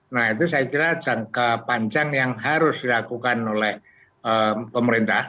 nah itu saya kira jangka panjang yang harus dilakukan oleh pemerintah